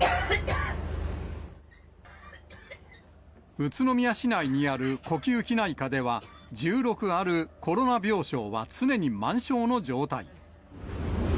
宇都宮市内にある呼吸器内科では、１６あるコロナ病床は常に満床の状態。